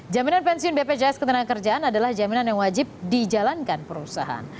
jaminan pensiun bpjs ketenagakerjaan adalah jaminan yang wajib dijalankan perusahaan